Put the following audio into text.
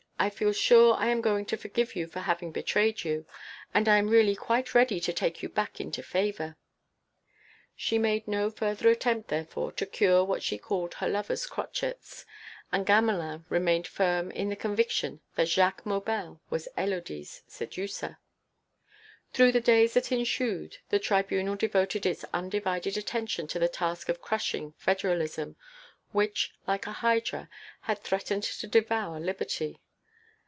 I feel sure I am going to forgive you for having betrayed you, and I am really quite ready to take you back into favour." She made no further attempt therefore to cure what she called her lover's crotchets, and Gamelin remained firm in the conviction that Jacques Maubel was Élodie's seducer. Through the days that ensued the Tribunal devoted its undivided attention to the task of crushing Federalism, which, like a hydra, had threatened to devour Liberty.